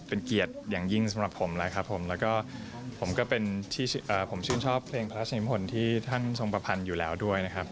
เป็นเกียรติอย่างยิ่งสำหรับผมแล้วครับผมแล้วก็ผมก็เป็นที่ผมชื่นชอบเพลงพระราชนิพลที่ท่านทรงประพันธ์อยู่แล้วด้วยนะครับ